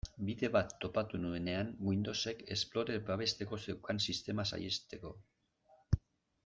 Bide bat topatu nuenean Windowsek Explorer babesteko zeukan sistema saihesteko.